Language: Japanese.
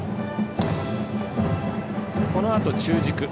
このあと中軸。